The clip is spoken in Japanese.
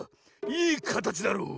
いいかたちだろう。